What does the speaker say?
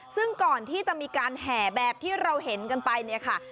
ซึ่งก่อนที่จะมีการแห่แบบที่เราเห็นกันไปเนี่ยค่ะ